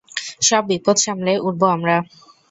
সব বিপদ সামলে উঠবো আমরা।